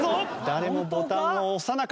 誰もボタンを押さなかった。